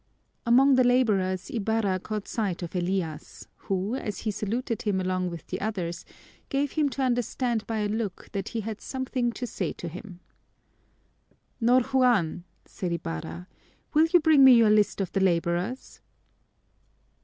Among the laborers Ibarra caught sight of Elias, who, as he saluted him along with the others, gave him to understand by a look that he had something to say to him. "Ñor Juan," said Ibarra, "will you bring me your list of the laborers?"